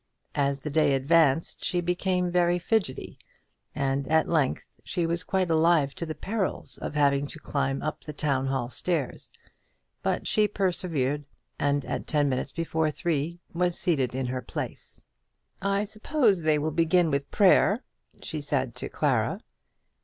As the day advanced she became very fidgety, and at length she was quite alive to the perils of having to climb up the Town hall stairs; but she persevered, and at ten minutes before three she was seated in her place. "I suppose they will begin with prayer," she said to Clara.